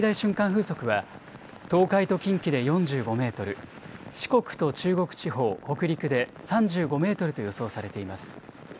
風速は東海と近畿で４５メートル、四国と中国地方、北陸で３５メートルと予想されています。